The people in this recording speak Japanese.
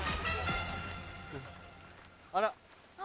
あら！